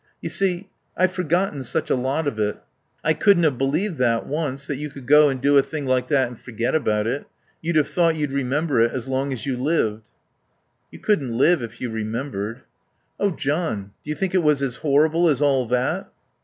You see, I've forgotten such a lot of it. I couldn't have believed that once, that you could go and do a thing like that and forget about it. You'd have thought you'd remember it as long as you lived." "You couldn't live if you remembered...." "Oh, John, do you think it was as horrible as all that?"